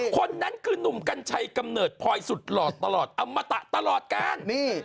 คนนั้นคือนุ่มกัญชัยกำเนิดพลอยสุดหล่อตลอดอมตะตลอดกาล